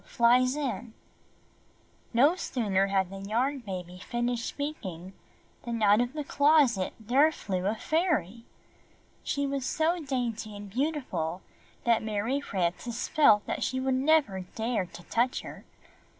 Better ijkmiyoul " sooner had the Yarn Baby finished speaking than out of the chest there flew a fairy! She was so dainty and beautiful that Mary Frances felt that she would never dare to touch her.